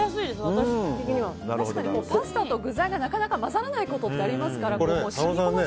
確かにパスタと具材がなかなか混ざらないことってありますからね。